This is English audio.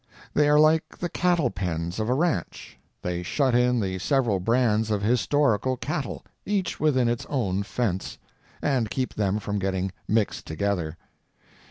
They are like the cattle pens of a ranch—they shut in the several brands of historical cattle, each within its own fence, and keep them from getting mixed together.